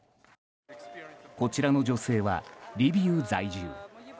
こちらの女性はリビウ在住。